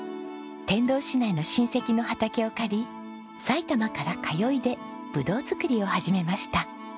天童市内の親戚の畑を借り埼玉から通いでブドウ作りを始めました。